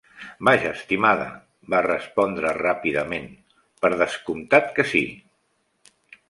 "Vaja, estimada", va respondre ràpidament, "per descomptat que sí!"